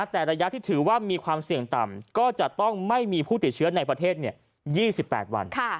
แต่ระยะที่ถือว่ามีความเสี่ยงต่ำก็จะต้องไม่มีผู้ติดเชื้อในประเทศ๒๘วัน